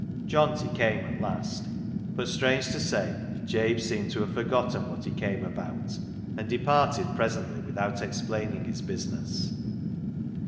Johnty came at last. But strange to say, Jabe seemed to have forgotten what he came about, and departed presently without ex plaining his business.